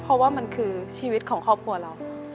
เพราะว่ามันคือชีวิตของครอบครัวเรา